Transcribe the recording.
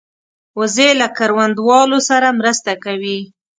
وزې له کروندهوالو سره مرسته کوي